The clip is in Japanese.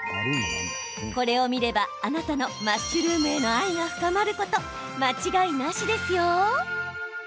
これを見ればあなたのマッシュルームへの愛が深まること、間違いなしですよ。